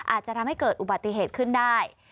อาจจะทำให้เกิดอุบัติเหตุขึ้นได้